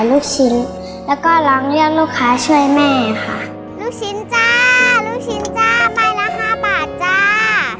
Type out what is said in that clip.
ลูกชิ้นจ้าลูกชิ้นจ้าไม่ละ๕บาทจ้า